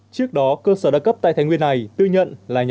trước đó cơ sở đa cấp tại thái nguyên này